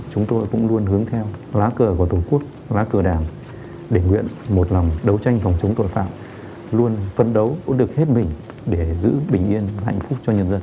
chúng tôi cũng luôn hướng theo lá cờ của tổ quốc lá cờ đảng để nguyện một lòng đấu tranh phòng chống tội phạm luôn phấn đấu nỗ lực hết mình để giữ bình yên hạnh phúc cho nhân dân